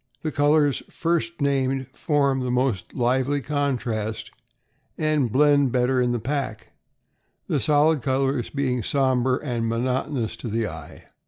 The colors first named form the most lively contrast and blend better in the pack, the solid colors being somber and monotonous to the eye.